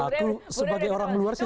aku sebagai orang luar sih